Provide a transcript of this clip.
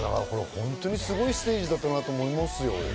すごいステージだったなと思いますよ。